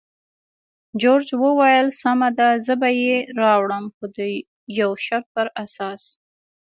جورج وویل: سمه ده، زه به یې راوړم، خو د یو شرط پر اساس.